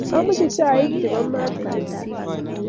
kamoche chai ce bo maat kaaikaai.